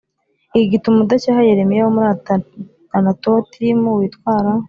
iki gituma udacyaha Yeremiya wo muri Anatotim witwara